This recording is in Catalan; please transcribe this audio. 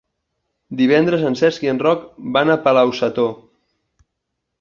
Divendres en Cesc i en Roc van a Palau-sator.